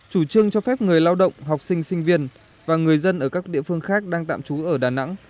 chủ trương cho phép người lao động học sinh sinh viên và người dân ở các địa phương khác đang tạm trú ở đà nẵng